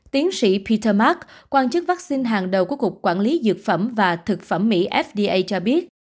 tiến sĩ peter mark quan chức vaccine hàng đầu của cục quản lý dược phẩm và thực phẩm mỹ fda cho biết